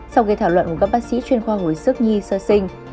sau khi thảo luận của các bác sĩ chuyên khoa hồi sức nhi sơ sinh